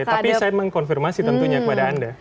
tapi saya mengkonfirmasi tentunya kepada anda